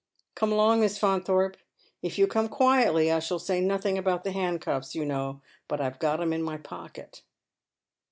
" Come along. Miss Faunthorpe. If you come quietly I shall Bay nothing about the handcuffs, you know, but I've got 'em in my pocket."